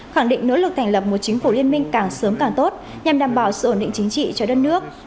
khẳng định nỗ lực thành lập một chính phủ liên minh càng sớm càng tốt nhằm đảm bảo sự ổn định chính trị cho đất nước